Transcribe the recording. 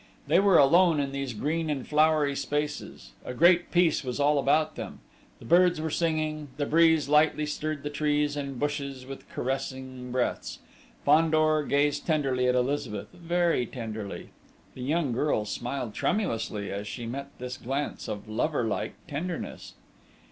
They were alone in these green and flowery spaces. A great peace was all about them. The birds were singing, the breeze lightly stirred the trees and bushes with caressing breaths.... Fandor gazed tenderly at Elizabeth, very tenderly.... The young girl smiled tremulously, as she met this glance of lover like tenderness.